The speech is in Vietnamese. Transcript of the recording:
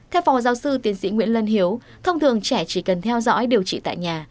theo phó giáo sư tiến sĩ nguyễn lân hiếu thông thường trẻ chỉ cần theo dõi điều trị tại nhà